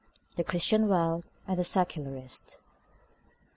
THE CHRISTIAN WORLD AND THE SECULARIST (1876.)